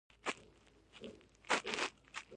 د ویښتو د رنګ لپاره د نکریزو او قهوې ګډول وکاروئ